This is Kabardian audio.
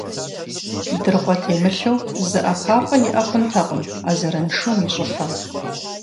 Дыркъуэ темылъу зы ӀэпапӀэ иӀэ хъунтэкъым а зэраншум и щӀыфэм.